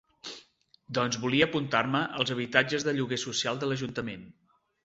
Doncs volia apuntar-me als habitatges de lloguer social de l'ajuntament.